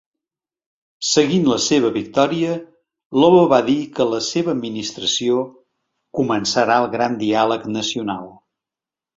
Seguint la seva victòria, Lobo va dir que la seva administració "començarà el gran diàleg nacional".